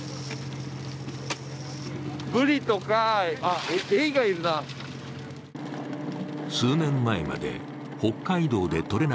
ブリとか、エイがいるな。